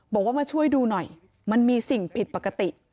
บอกว่ามาช่วยดูหน่อยมันมีสิ่งผิดปกติ